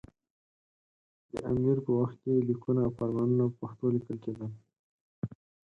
دې امیر په وخت کې لیکونه او فرمانونه په پښتو لیکل کېدل.